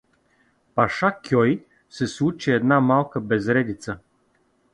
Пашакьой се случи една малка безредица.